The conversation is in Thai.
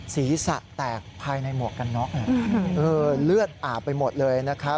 ศีรษะแตกภายในหมวกกันน็อกเลือดอาบไปหมดเลยนะครับ